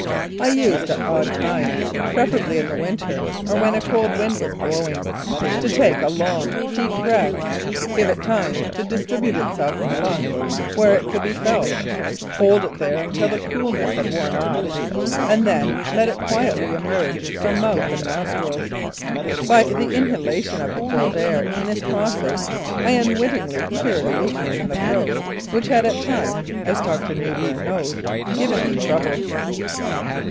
I used at odd times, preferably in the winter, or when a cold wind was blowing, to take a long, deep breath, give it time to distribute itself in the lungs, where it could be felt, hold it there until the coolness had worn off, and then let it quietly emerge from mouth and nostrils. By the inhalation of the cold air in this process I unwit tingly cured a weakness in the throat which had at times (as Dr. Mewburn knows) given me trouble.